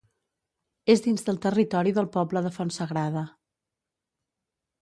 És dins del territori del poble de Fontsagrada.